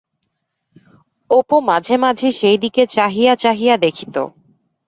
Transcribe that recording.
অপু মাঝে মাঝে সেইদিকে চাহিয়া চাহিয়া দেখিত।